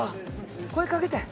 声かけて！